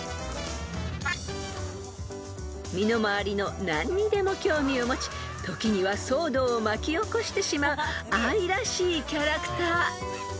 ［身の回りの何にでも興味を持ち時には騒動を巻き起こしてしまう愛らしいキャラクター］